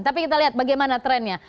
tapi kita lihat bagaimana trennya